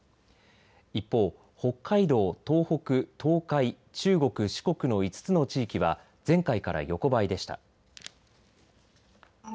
一方、北海道、東北、東海、中国、四国の５つの地域は前回から横ばいでした。